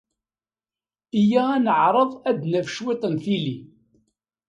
Iyya ad neɛreḍ ad d-naf cwiṭ n tili.